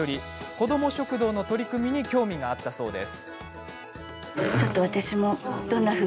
子ども食堂の取り組みに興味があったそうです。